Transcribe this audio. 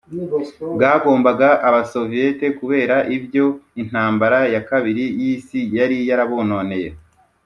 bwagombaga abasoviets kubera ibyabo intambara ya kabili y' isi yari yarabononeye.